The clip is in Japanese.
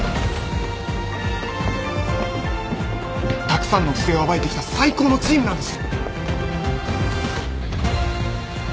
たくさんの不正を暴いてきた最高のチームなんです。